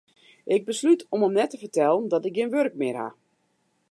Ik beslút om him net te fertellen dat ik gjin wurk mear ha.